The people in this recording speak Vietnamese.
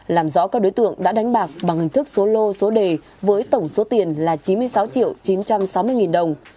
làm rõ các đối tượng đã đánh bạc bằng hình thức số lô số đề với tổng số tiền là chín mươi sáu triệu chín trăm sáu mươi nghìn đồng